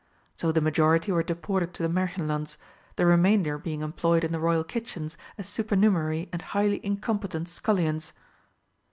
So the majority were deported to the Märchenlands, the remainder being employed in the Royal Kitchens as supernumerary and highly incompetent scullions.